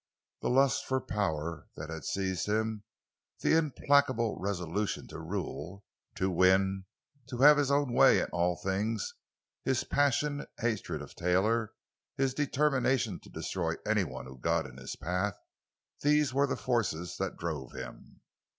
The lust for power that had seized him; the implacable resolution to rule, to win, to have his own way in all things; his passionate hatred of Taylor; his determination to destroy anyone who got in his path—these were the forces that drove him.